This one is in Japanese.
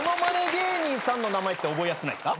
芸人さんの名前って覚えやすくないっすか？